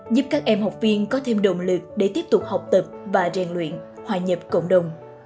giúp các em học viên có thêm động lực để tiếp tục học tập và rèn luyện hòa nhập cộng đồng